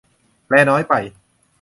แปลน้อยไป